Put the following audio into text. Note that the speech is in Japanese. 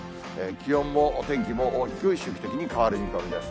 気温もお天気も大きく周期的に変わる見込みです。